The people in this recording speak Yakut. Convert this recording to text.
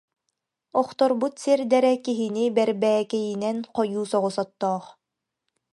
Охторбут сирдэрэ киһини бэрбээкэйинэн хойуу соҕус оттоох